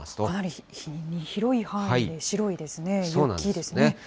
かなり広い範囲で白いですね、雪ですね。